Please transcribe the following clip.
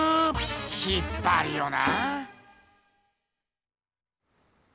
引っぱるよな。